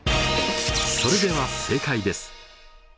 それでは正解です。